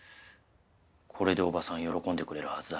これで伯母さん喜んでくれるはずだ。